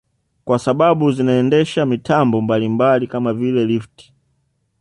Kwa sababu zinaendesha mitambo mbalimbali kama vile lifti